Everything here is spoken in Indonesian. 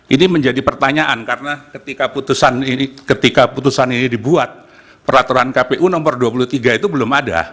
ini menjadi pertanyaan karena ketika putusan ini dibuat peraturan kpu nomor dua puluh tiga itu belum ada